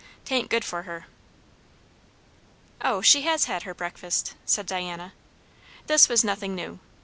'Tain't good for her." "O, she has had her breakfast," said Diana. This was nothing new.